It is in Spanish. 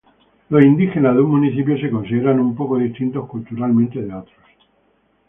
Los indígenas de un municipio se consideran un poco distintos culturalmente de otros.